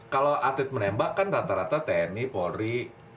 kalau atlet menembak kan rata rata tni polri